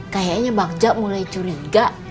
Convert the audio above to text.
kayaknya bakja mulai curiga